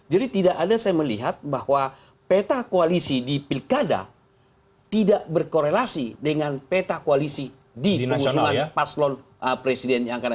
jadi tidak ada saya melihat bahwa peta koalisi di pilkada tidak berkoalisi dengan peta koalisi di pengusungan paslon presiden yang kanan